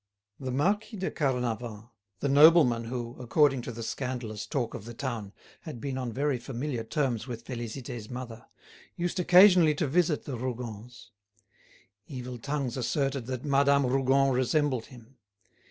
The Marquis de Carnavant, the nobleman who, according to the scandalous talk of the town, had been on very familiar terms with Félicité's mother, used occasionally to visit the Rougons. Evil tongues asserted that Madame Rougon resembled him.